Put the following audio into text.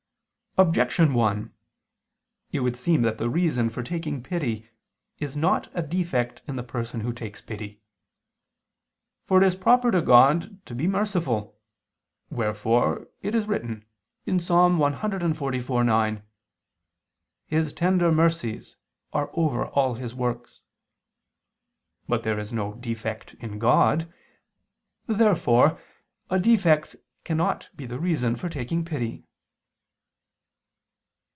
Objection 1: It would seem that the reason for taking pity is not a defect in the person who takes pity. For it is proper to God to be merciful, wherefore it is written (Ps. 144:9): "His tender mercies are over all His works." But there is no defect in God. Therefore a defect cannot be the reason for taking pity.